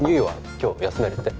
今日休めるって？